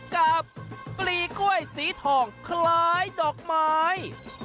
ปลีกล้วยสีทองคล้ายดอกไม้